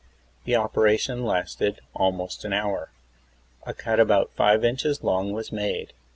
The operation lasted almost an hour. A cut about five inches long was made.